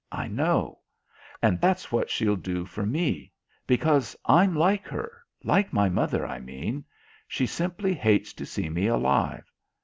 I know. And that's what she'll do for me; because I'm like her like my mother, I mean. She simply hates to see me alive.